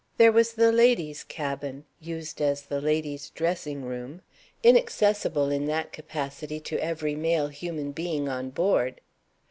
There was the ladies' cabin (used as the ladies' dressing room; inaccessible, in that capacity, to every male human being on board).